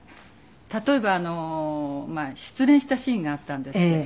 例えば失恋したシーンがあったんですけれども。